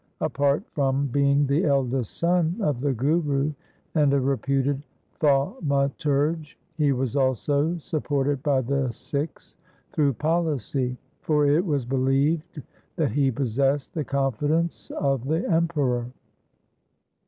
Apart from being the eldest son of the Guru and a reputed thaumaturge, he was also supported by the Sikhs through policy, for it was believed that he possessed the confidence of the Emperor.